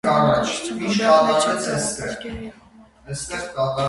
Գեղանկարչության տարբերակներից են տրամապատկերը և համայնապատկերը։